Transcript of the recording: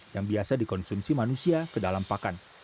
yang biasa dikonsumsi manusia ke dalam pakan